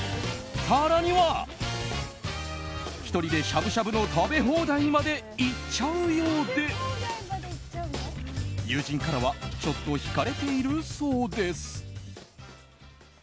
更には１人でしゃぶしゃぶの食べ放題まで行っちゃうようで友人からはちょっと引かれているそうです。